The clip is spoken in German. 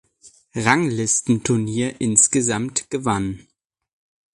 Ranglistenturnier insgesamt gewann.